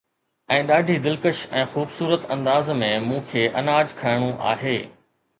۽ ڏاڍي دلڪش ۽ خوبصورت انداز ۾ مون کي اناج کڻڻو آهي